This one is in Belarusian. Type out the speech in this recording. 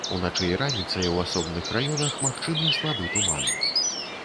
Уначы і раніцай у асобных раёнах магчымы слабы туман.